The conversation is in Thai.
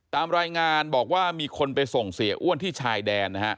ตามรายงานบอกว่ามีคนไปส่งเสียอ้วนที่ชายแดนนะฮะ